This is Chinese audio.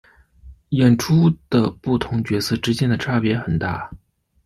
演出的不同角色之间的差别很大。